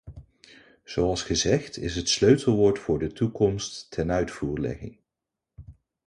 Zoals gezegd is het sleutelwoord voor de toekomst tenuitvoerlegging.